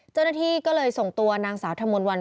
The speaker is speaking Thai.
เจ้าหน้าที่ก็เลยส่งตัวนางสาวธมนต์วัน